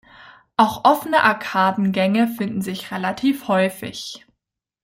Auch offene Arkadengänge finden sich relativ häufig.